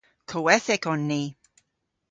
Kowethek on ni.